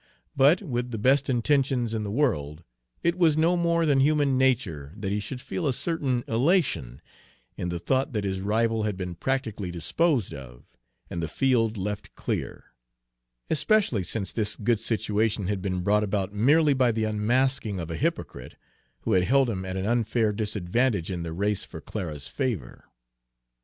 But, with the best intentions in the world, it was no more than human nature that he should feel a certain elation in the thought that his rival had been practically disposed of, and the field left clear; especially since this good situation had been brought about merely by the unmasking of a hypocrite, who had held him at an unfair disadvantage in the race for Clara's favor.